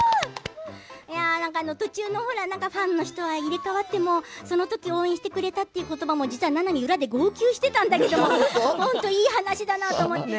途中のファンの人は入れ代わってもそのとき応援してくれたっていう言葉も、実は、ななみ裏で号泣してたんだけれども本当、いい話だなと思って。